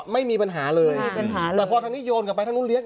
ไม่มีปัญหาเลยมีปัญหาเลยแต่พอทางนี้โยนกลับไปทางนู้นเลี้ย